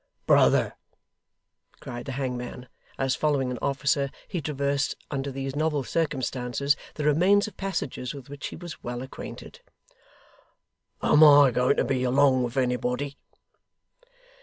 'Brother,' cried the hangman, as, following an officer, he traversed under these novel circumstances the remains of passages with which he was well acquainted, 'am I going to be along with anybody?